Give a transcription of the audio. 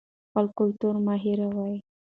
خپل کلتور مه هېروئ.